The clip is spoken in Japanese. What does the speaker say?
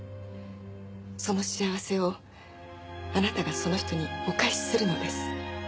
その幸せをあなたがその人にお返しするのです。